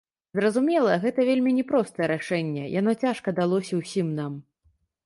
Зразумела, гэта вельмі не простае рашэнне, яно цяжка далося ўсім нам.